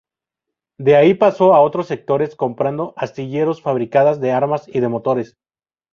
De ahí pasó a otros sectores, comprando astilleros, fábricas de armas y de motores.